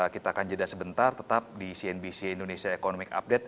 kita akan jeda sebentar tetap di cnbc indonesia economic update